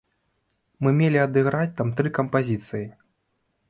Мы мелі адыграць там тры кампазіцыі.